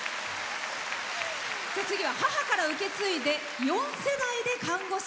次は母から受け継いで４世代で看護師。